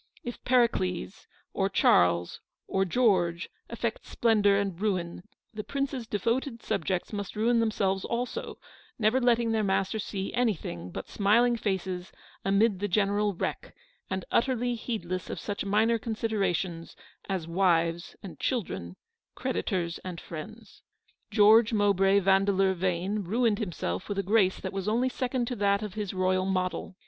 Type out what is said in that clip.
If Pericles, or Charles, or George, affects splendour and ruin, the prince's devoted subjects must ruin themselves also, never letting their master see anything but smiling faces amid the general wreck, and utterly heedless of such minor considerations as wives and children, creditors and friends. George Mowbray Vandeleur Yane ruined him self with a grace that was only second to that of his royal model.